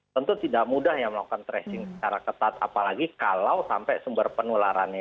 tentu tidak mudah melakukan tracing secara ketat apalagi kalau sampai sumber penularan ini